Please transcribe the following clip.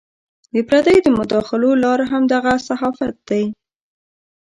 د پردیو د مداخلو لار همدغه صحافت دی.